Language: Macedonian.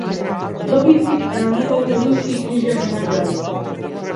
Добитник е на неколку руски книжевни награди.